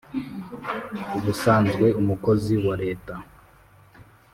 ubusanzwe, umukozi wa leta